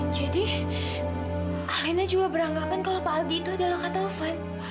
jadi alena juga beranggapan kalau pak aldi itu adalah kata tovan